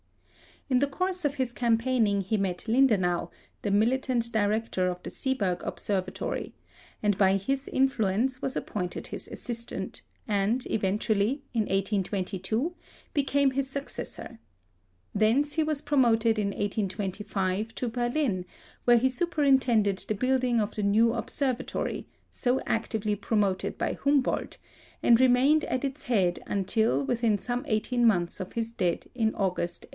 In the course of his campaigning he met Lindenau, the militant director of the Seeberg Observatory, and by his influence was appointed his assistant, and eventually, in 1822, became his successor. Thence he was promoted in 1825 to Berlin, where he superintended the building of the new observatory, so actively promoted by Humboldt, and remained at its head until within some eighteen months of his death in August, 1865.